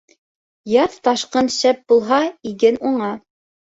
Яҙ ташҡын шәп булһа, иген уңа.